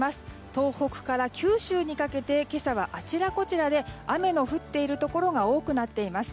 東北から九州にかけて今朝はあちらこちらで雨の降っているところが多くなっています。